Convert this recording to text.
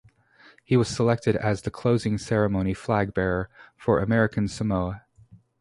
He was selected as the closing ceremony flag bearer for American Samoa.